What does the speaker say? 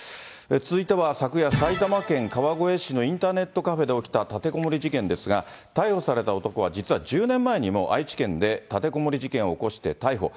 続いては、昨夜、埼玉県川越市のインターネットカフェで起きた立てこもり事件ですが、逮捕された男は、実は１０年前にも愛知県で立てこもり事件を起こして逮捕。